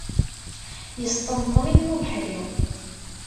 Yesṭenṭen-iten ubeḥri.